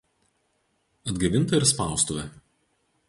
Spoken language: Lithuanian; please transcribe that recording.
Atgaivinta ir spaustuvė.